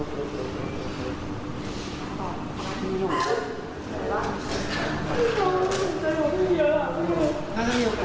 พี่บุ๋ม